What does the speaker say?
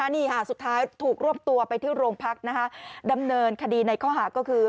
นี่ค่ะสุดท้ายถูกรวบตัวไปที่โรงพักดำเนินคดีในข้อหาก็คือ